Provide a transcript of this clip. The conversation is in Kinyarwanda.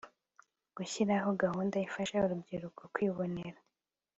gushyiraho gahunda ifasha urubyiruko kwibonera